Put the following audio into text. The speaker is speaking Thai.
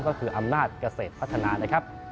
ก็คืออำนาจเกษตรพัฒนานะครับ